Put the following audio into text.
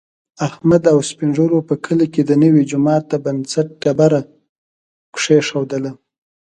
احمد او سپین ږېرو په کلي کې د نوي جوما د بنسټ ډبره کېښودله.